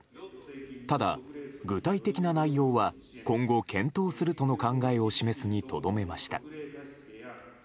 ただ、具体的な内容は今後検討するとの考えを示すにとどめました。